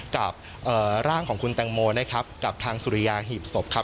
กับร่างของคุณแตงโมนะครับกับทางสุริยาหีบศพครับ